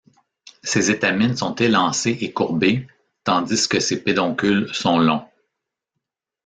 Ses étamines sont élancés et courbés, tandis que ses pédoncules sont longs.